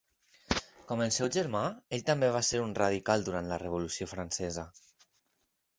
Com el seu germà, ell també va ser un radical durant la Revolució francesa.